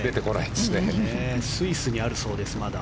まだスイスにあるそうです。